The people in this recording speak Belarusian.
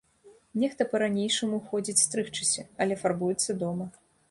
Нехта па-ранейшаму ходзіць стрыгчыся, але фарбуецца дома.